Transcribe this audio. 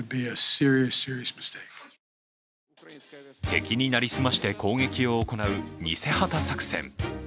敵に成り済まして攻撃を行う偽旗作戦。